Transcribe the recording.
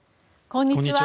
こんにちは。